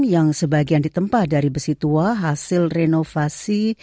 yang sebagian ditempah dari besi tua hasil renovasi